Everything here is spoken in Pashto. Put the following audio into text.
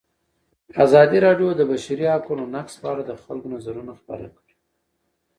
ازادي راډیو د د بشري حقونو نقض په اړه د خلکو نظرونه خپاره کړي.